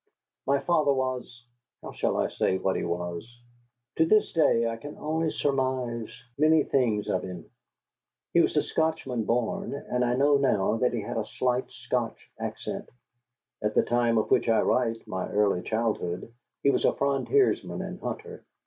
My father was how shall I say what he was? To this day I can only surmise many things of him. He was a Scotchman born, and I know now that he had a slight Scotch accent. At the time of which I write, my early childhood, he was a frontiersman and hunter.